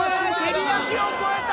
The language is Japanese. てりやきを超えた！